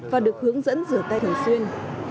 và được hướng dẫn rửa tay thường xuyên